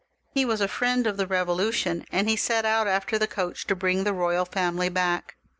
He was a friend of the Bevolution, and he set out after the coach to bring the royal family back.